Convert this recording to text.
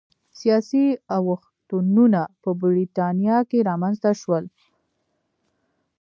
سیاسي اوښتونونه په برېټانیا کې رامنځته شول